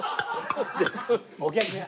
でお客さん。